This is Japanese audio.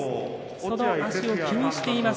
その足を気にしています